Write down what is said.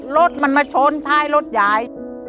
รถมันมาชนท้ายรถยาย